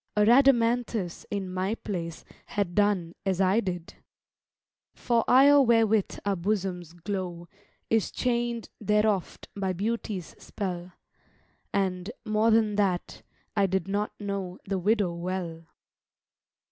A Rhadamanthus, in my place, Had done as I did: For ire wherewith our bosoms glow Is chain'd there oft by Beauty's spell; And, more than that, I did not know The widow well.